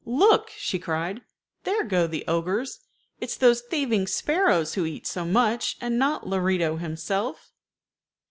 "Look," she cried; "there go the ogres. It is those thieving sparrows who eat so much, and not Lorito himself."